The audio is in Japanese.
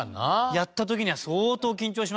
やった時には相当緊張しましたし。